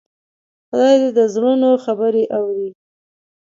خدای د زړونو خبرې اوري.